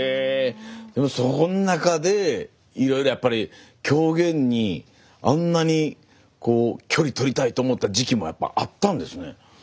その中でいろいろやっぱり狂言にあんなに距離とりたいと思った時期もやっぱあったんですね。